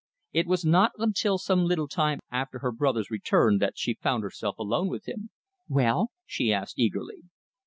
It was not until some little time after her brother's return that she found herself alone with him. "Well?" she asked eagerly.